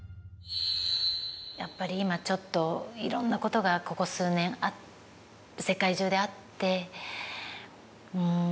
やっぱり今ちょっといろんなことがここ数年世界中であって。